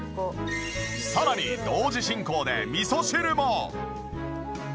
さらに同時進行でみそ汁も！